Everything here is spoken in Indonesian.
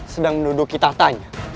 sedang menuduh kita tanya